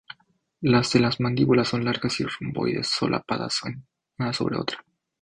Las de las mandíbulas son largas y romboidales, solapadas una sobre otra.